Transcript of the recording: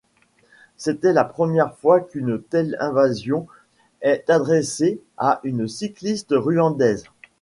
C'était la première fois qu'une telle invitation est adressée à une cycliste rwandaise.